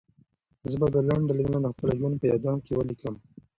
زه به دا لنډه لیدنه د خپل ژوند په یادښت کې ولیکم.